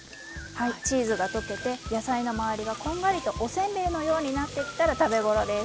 チーズが溶けて野菜の周りがこんがりとおせんべいのようになってきたら食べ頃です。